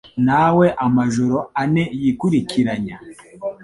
nawe amajoro ane yikurikiranya